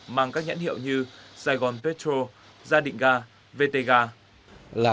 mang các nhãn hiệu như saigon petrol gia định ga vt ga